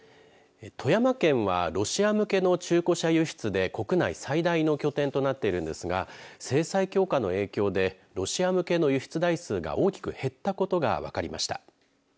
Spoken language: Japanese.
富山県はロシア向けの中古車輸出で国内最大の拠点となっているんですが制裁強化の影響でロシア向けの輸出台数が大きく減ったことが分かりました。